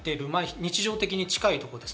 日常的に近いこと。